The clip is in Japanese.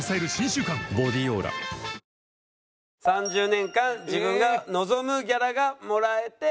３０年間自分が望むギャラがもらえて。